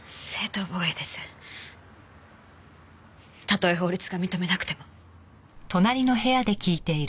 たとえ法律が認めなくても。